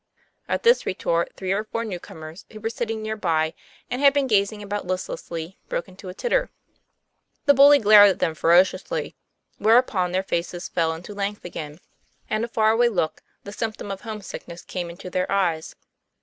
At this retort three or four new comers who were sitting near by, and had been gazing about listlessly, broke into a titter. The bully glared at them fero ciously, whereupon their faces fell into length again, and a far away look the symptom of home sickness ' came into their eyes.